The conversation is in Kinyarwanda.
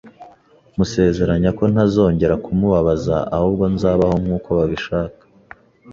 musezeranya ko ntazongera kumubabaza ahubwo nzabaho nk’uko babishaka,